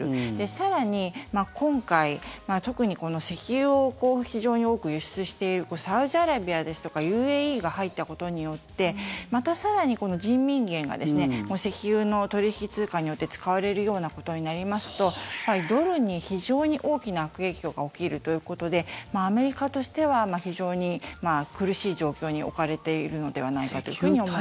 更に、今回、特に石油を非常に多く輸出しているサウジアラビアですとかＵＡＥが入ったことによってまた更に、この人民元が石油の取引通貨に使われるようなことになりますとドルに非常に大きな悪影響が起きるということでアメリカとしては非常に苦しい状況に置かれているのではないかというふうに思います。